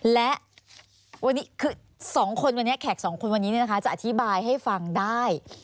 และแขกสองคนวันนี้จะอธิบายให้ฟังได้